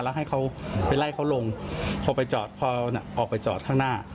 แล้วให้เขาไปไล่เขาลงพอไปจอดพอออกไปจอดข้างหน้า